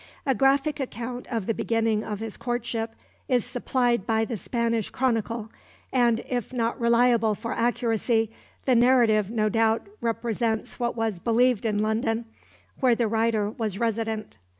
A graphic account of the beginning of his courtship is supplied by the Spanish chronicle, and, if not reliable for accuracy, the narrative no doubt represents what was believed in London, where the writer was resident.